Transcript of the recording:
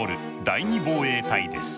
第２防衛隊です。